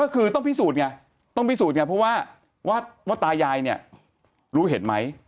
ก็คือต้องพิสูจน์ไงต้องพิสูจน์ไงเพราะว่าว่าตายายเนี่ยรู้เห็นไหม